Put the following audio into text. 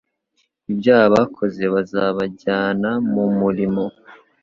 ibyaha bakoze bizabajyana mumuriro